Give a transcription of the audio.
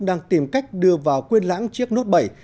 đang tìm cách đưa vào quyên lãng chiếc note bảy